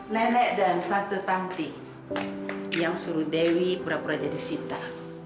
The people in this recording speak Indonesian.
nenek dan tante tanti yang suruh dewi berapura jadi sita